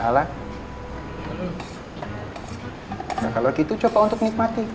kalau gitu coba untuk nikmati